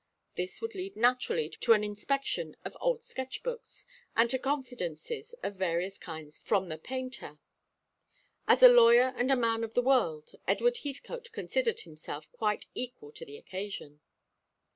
This would lead naturally to an inspection of old sketch books, and to confidences of various kinds from the painter. As a lawyer and a man of the world, Edward Heathcote considered himself quite equal to the occasion.